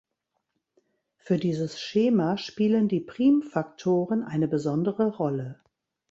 Für dieses Schema spielen die Primfaktoren eine besondere Rolle.